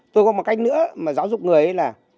tôi có một cách nữa mà giáo dục người ấy là